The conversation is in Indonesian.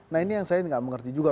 nah ini yang saya nggak mengerti juga